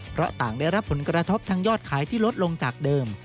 เพราะต่างได้รับผลกระทบทางยอดขายที่ลดลงจากเดิม